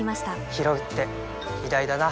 ひろうって偉大だな・